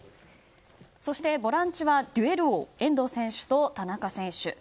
ボランチは、デュエル王遠藤選手と田中選手。